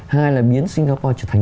hai là biến singapore trở thành